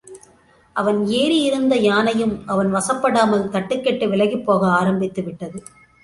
அவன் ஏறியிருந்த யானையும் அவன் வசப்படாமல் தட்டுக்கெட்டு விலகிப் போக ஆரம்பித்துவிட்டது.